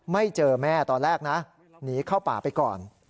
ไม่เจอแม่ตอนแรกนะหนีเข้าป่าไปก่อน